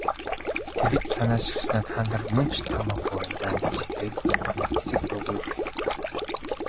Тэгж санааширснаа "Та нар мөн ч томоогүй байна даа" гэж хэлээд хэсэг дуугүй болов.